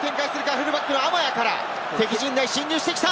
フルバックのアマヤから敵陣に進入してきた！